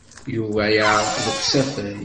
Yuba yeɛreq deg usafag.